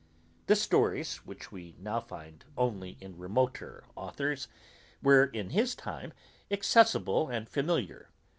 The stories, which we now find only in remoter authours, were in his time accessible and familiar.